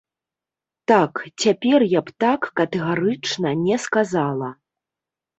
Так, цяпер я б так катэгарычна не сказала.